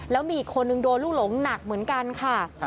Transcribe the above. แล้วมีอีกคนนึงโดนลูกหลงหนักเหมือนกันค่ะ